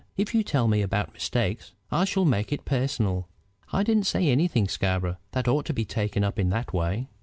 If you tell me about mistakes, I shall make it personal." "I didn't say anything, Scarborough, that ought to be taken up in that way."